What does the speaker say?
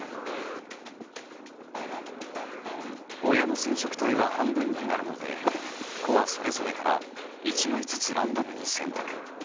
親の染色体は半分になるので子はそれぞれから１枚ずつランダムに選択。